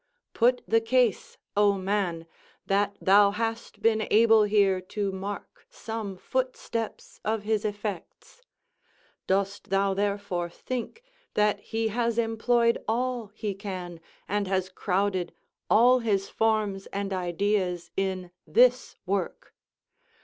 Put the case, O man! that thou hast been able here to mark some footsteps of his effects; dost thou therefore think that he has employed all he can, and has crowded all his forms and ideas in this work?